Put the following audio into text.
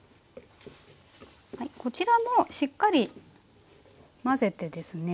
こちらもしっかり混ぜてですね。